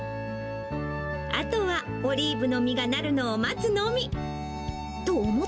あとはオリーブの実がなるのを待つのみ。